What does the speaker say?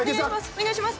お願いします